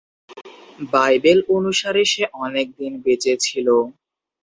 Bible অনুসারে সে অনেকদিন বেঁচে ছিল।